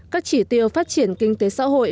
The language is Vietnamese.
các chỉ tiêu phát triển kinh tế xã hội